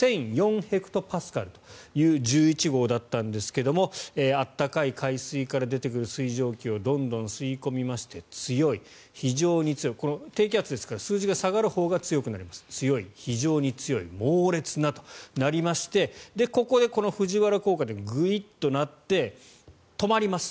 ヘクトパスカルという１１号だったんですが暖かい海水から出てくる水蒸気をどんどん吸い込みまして強い、非常に強いこの低気圧ですから数字が下がるほうが強くなります強い、非常に強い、猛烈なとなりましてここでこの藤原効果でグイッとなって止まります。